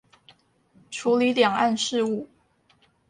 處理兩岸事務